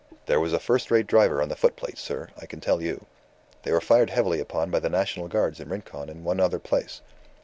There was a first rate driver on the foot plate, sir, I can tell you. They were fired heavily upon by the National Guards in Rincon and one other place.